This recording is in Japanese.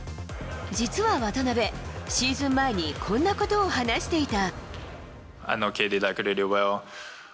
実は渡邊、シーズン前にこんなことを話していた。